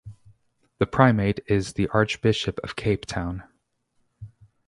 The primate is the Archbishop of Cape Town.